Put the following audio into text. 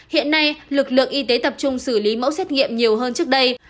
hiện nay lực lượng y tế tập trung xử lý mẫu xét nghiệm nhiều hơn trước đây